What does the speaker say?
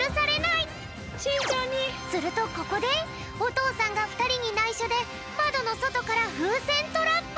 するとここでおとうさんがふたりにないしょでまどのそとからふうせんトラップ！